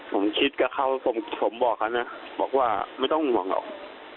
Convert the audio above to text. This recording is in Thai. ผมคิดกับเขาผมบอกเขานะบอกว่าไม่ต้องห่วงหรอก